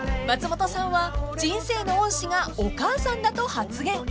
［松本さんは人生の恩師がお母さんだと発言］